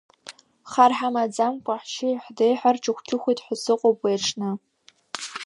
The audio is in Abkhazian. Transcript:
Хар ҳамаӡамкәа ҳшьеи ҳдеи ҳарчыхәчыхәит ҳәа сыҟоуп уи аҽны…